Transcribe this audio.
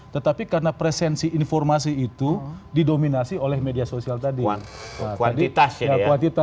tetapi karena presensi informasi itu didominasi oleh media sosial tadi